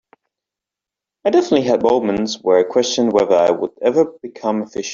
I definitely had moments where I questioned whether I would ever become efficient.